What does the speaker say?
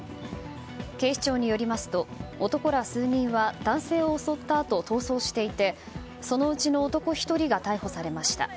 警視庁によりますと男ら数人は、男性を襲ったあと逃走していてそのうちの男１人が逮捕されました。